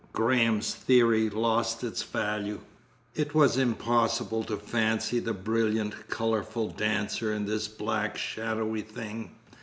Graham's theory lost its value. It was impossible to fancy the brilliant, colourful dancer in this black, shadowy thing.